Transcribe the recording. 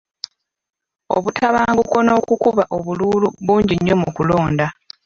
Obutabanguko n'okuba obululu bingi nnyo mu kulonda.